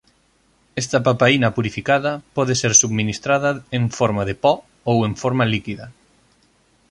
Esta papaína purificada pode ser subministrada en forma de po ou en forma líquida.